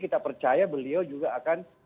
kita percaya beliau juga akan